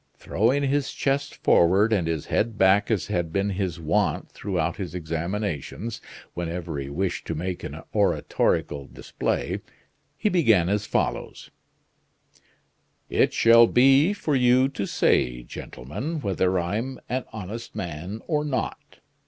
Throwing his chest forward, and his head back as had been his wont throughout his examinations, whenever he wished to make an oratorical display, he began as follows: "It shall be for you to say, gentlemen, whether I'm an honest man or not.